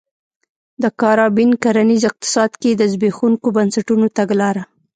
د کارابین کرنیز اقتصاد کې د زبېښونکو بنسټونو تګلاره